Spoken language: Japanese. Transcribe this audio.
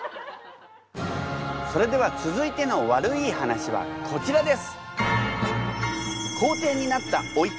それでは続いての悪イイ話はこちらです！